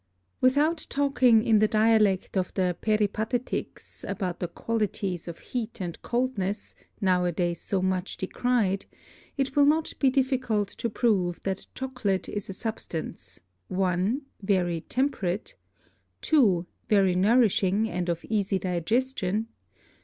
Without talking in the Dialect of the Peripateticks, about the Qualities of Heat and Coldness, now a days so much decry'd, it will not be difficult to prove that Chocolate is a Substance, 1. Very temperate. 2. Very nourishing, and of easy Digestion.